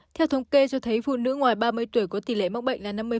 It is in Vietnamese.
theo thống kê cho thấy phụ nữ ngoài ba mươi tuổi có tỷ lệ mắc bệnh là năm mươi